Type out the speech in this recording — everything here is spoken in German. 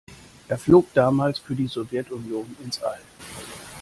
Er flog damals für die Sowjetunion ins All.